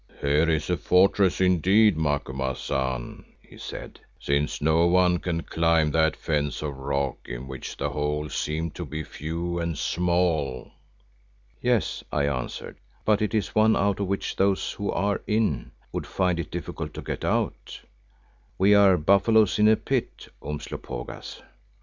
"Here is a fortress indeed, Macumazahn," he said, "since none can climb that fence of rock in which the holes seem to be few and small." "Yes," I answered, "but it is one out of which those who are in, would find it difficult to get out. We are buffaloes in a pit, Umslopogaas."